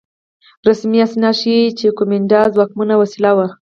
رسمي اسناد ښيي چې کومېنډا ځواکمنه وسیله وه.